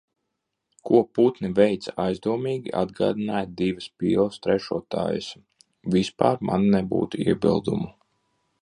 Ko putni veica aizdomīgi atgādināja "divas pīles trešo taisa". Vispār man nebūtu iebildumu.